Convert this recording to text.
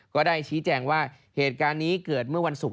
ก็ได้ชี้แจงว่าเหตุการณ์นี้เกิดเมื่อวันศุกร์